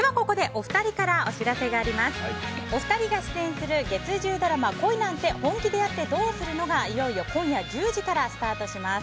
お二人が出演する月１０ドラマ「恋なんて、本気でやってどうするの？」がいよいよ今夜１０時からスタートします。